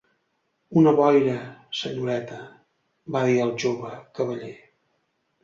"Una boira, senyoreta", va dir el jove cavaller.